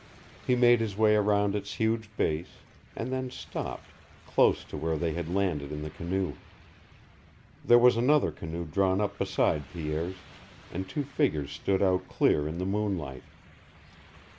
He made his way around its huge base, and then stopped, close to where they had landed in the canoe. There was another canoe drawn up beside Pierre's, and two figures stood out clear in the moonlight.